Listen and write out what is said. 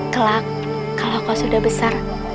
kelak kalau kau sudah besar